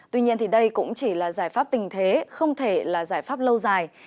tuy nhiên đây cũng chỉ là giải pháp tình thế không thể là giải pháp lâu dài